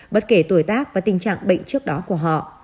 bất kể tuổi tác và tình trạng bệnh trước đó của họ